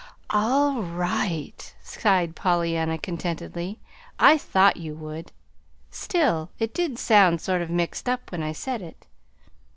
"All right," sighed Pollyanna contentedly. "I thought you would; still, it did sound sort of mixed when I said it.